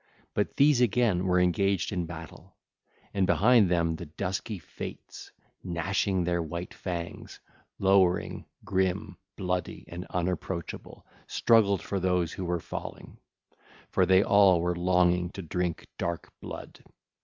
But these again were engaged in battle: and behind them the dusky Fates, gnashing their white fangs, lowering, grim, bloody, and unapproachable, struggled for those who were falling, for they all were longing to drink dark blood.